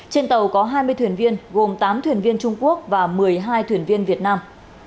trên tàu có hai mươi thuyền viên gồm tám thuyền viên trung quốc và một mươi hai thuyền viên việt nam